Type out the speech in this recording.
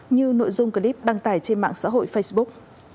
như nội dung clip đăng tải trên mạng xã hội facebook